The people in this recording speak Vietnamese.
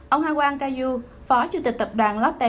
ông hai quang ca du phó chủ tịch tập đoàn lotte